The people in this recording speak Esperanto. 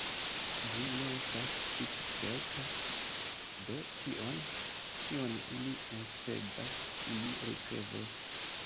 Ĝi ne estas Kickstarter do tion, kion ili enspezas, ili ricevos